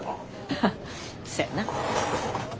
ハハそやな。